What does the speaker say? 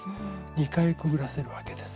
２回くぐらせるわけです。